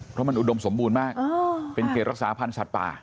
เพราะมันอุดมสมบูรณ์มากเป็นเขตรักษาพันธ์สัตว์ป่า